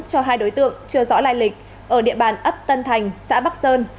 cho hai đối tượng chưa rõ lai lịch ở địa bàn ấp tân thành xã bắc sơn